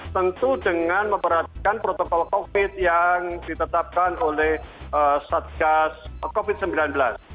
tentu dengan memperhatikan protokol covid yang ditetapkan oleh satgas covid sembilan belas